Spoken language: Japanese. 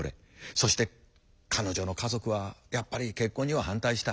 そして彼女の家族はやっぱり結婚には反対した。